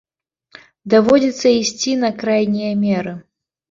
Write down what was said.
Даводзіцца ісці на крайнія меры.